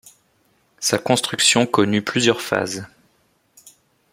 Sa construction connut plusieurs phases.